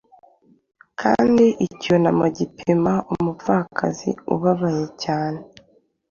Kandi icyunamo gipima umupfakazi ubabaye cyane